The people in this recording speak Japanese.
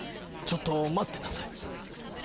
ちょっと待ってなさい